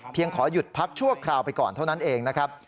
ขอหยุดพักชั่วคราวไปก่อนเท่านั้นเองนะครับ